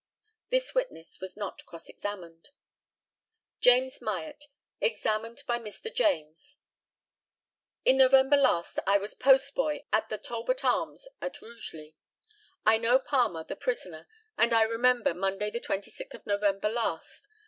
This witness was not cross examined. JAMES MYATT, examined by Mr. JAMES: In November last I was postboy at the Talbot Arms at Rugeley. I know Palmer, the prisoner, and I remember Monday, the 26th of November last.